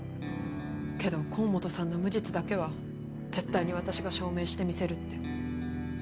けど河本さんの無実だけは絶対に私が証明してみせるって。